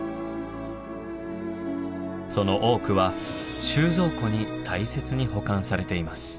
その多くは収蔵庫に大切に保管されています。